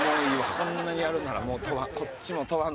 こんなにやるんなら。